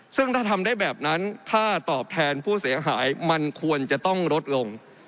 ซึ่งถ้าทำได้แบบนั้นถ้าตอบแทนผู้เสียหายมันควรจะต้องลดลง